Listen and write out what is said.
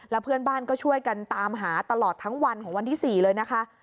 เพื่อนบ้านก็ช่วยกันตามหาตลอดทั้งวันของวันที่๔เลยนะคะ